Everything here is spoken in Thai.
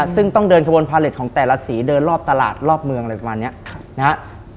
ซึ่งต้องเดินขบวนพาเล็ตของแต่ละสีเดินรอบตลาดรอบเมืองอะไรประมาณนี้นะครับ